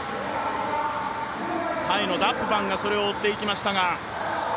タイのダップバンがそれを追っていきました。